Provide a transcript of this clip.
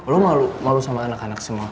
lu malu sama anak anak semua